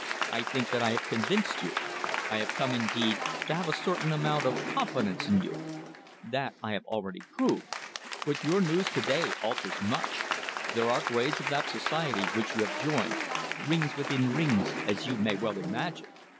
I think that I have convinced you. I have come, indeed, to have a certain amount of confidence in you. That I have already proved. But your news to day alters much. There are grades of that society which you have joined, rings within rings, as you may well imagine.